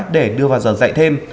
để đưa vào giờ dạy thêm